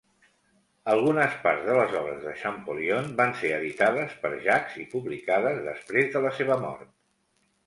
Algunes parts de les obres de Champollion van ser editades per Jacques i publicades després de la seva mort.